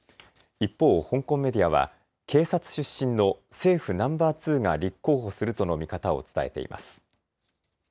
一方、香港メディアは警察出身の政府ナンバー２が立候補するとの見方を伝えています。